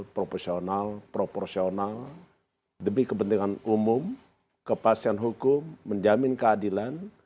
proporsional proporsional demi kepentingan umum kepastian hukum menjamin keadilan